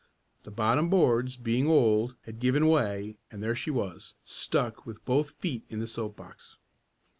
The bottom boards, being old, had given way and there she was stuck with both feet in the soap box.